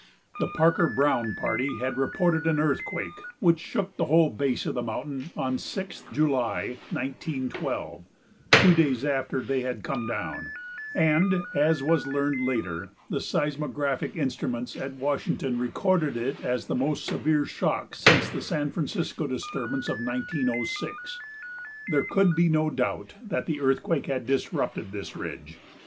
The Parker Browne party had reported an earthquake which shook the whole base of the mountain on 6th July, 1912, two days after they had come down, and, as was learned later, the seismographic instruments at Washington recorded it as the most severe shock since the San Francisco disturbance of 1906. There could be no doubt that the earthquake had disrupted this ridge.